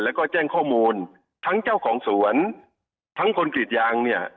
แล้วก็แจ้งข้อมูลทั้งเจ้าของสวนทั้งคนกรีดยางเนี่ย